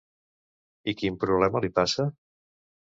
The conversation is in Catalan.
I quin problema li passa?